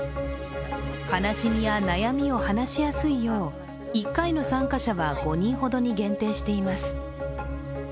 悲しみや悩みを話しやすいよう、１回の参加者は５人ほどに限定しています。